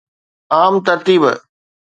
عام ترتيب